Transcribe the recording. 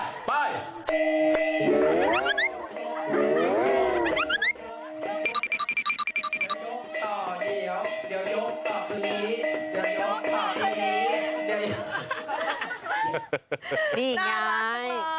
น่ารักทุกคนเลย